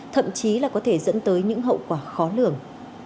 thậm chí là có thể dẫn tới những hậu quả khó lường